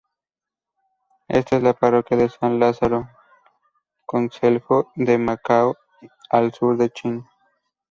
Esta en la parroquia de San Lázaro, Concelho de Macao, al sur de China.